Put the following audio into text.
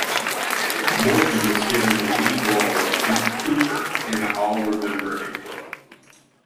Morgan was given the lead role of Duke Cooper in "I'll Remember April".